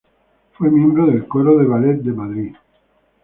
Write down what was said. Fue miembro del coro de ballet de Madrid.